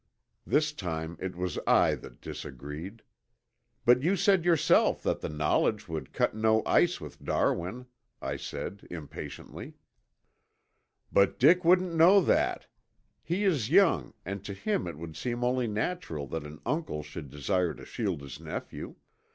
This time it was I that disagreed. "But you said yourself that the knowledge would cut no ice with Darwin," I said, impatiently. "But Dick wouldn't know that. He is young and to him it would seem only natural that an uncle should desire to shield his nephew.